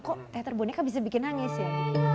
kok teater boneka bisa bikin nangis ya